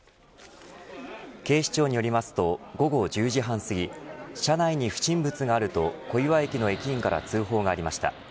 警視庁によりますと午後１０時半すぎ車内に不審物があると小岩駅の駅員から通報がありました。